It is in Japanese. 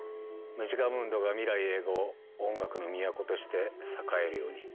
ムジカムンドが未来永劫音楽の都として栄えるように。